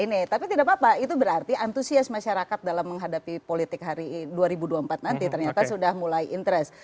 ini tapi tidak apa apa itu berarti antusias masyarakat dalam menghadapi politik hari dua ribu dua puluh empat nanti ternyata sudah mulai interest